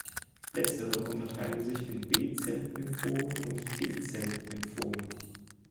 Letztere unterteilen sich in B-Zell-Lymphome und T-Zell-Lymphome.